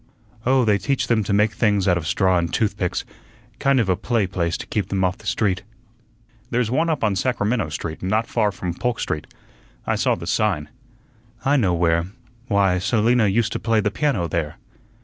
"Oh, they teach them to make things out of straw and toothpicks kind of a play place to keep them off the street." "There's one up on Sacramento Street, not far from Polk Street. I saw the sign." "I know where. Why, Selina used to play the piano there."